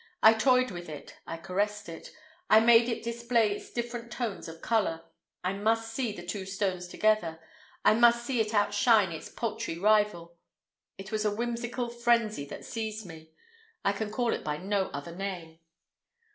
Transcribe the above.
I toyed with it, I caressed it. I made it display its different tones of color. I must see the two stones together. I must see it outshine its paltry rival. It was a whimsical frenzy that seized me—I can call it by no other name.